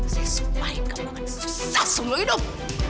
saya supaya kamu akan susah semua hidup